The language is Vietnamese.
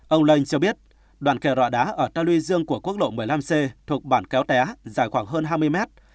ông linh cho biết đoạn kè rọ đá ở ta luy dương của quốc lộ một mươi năm c thuộc bản kéo té dài khoảng hơn hai mươi mét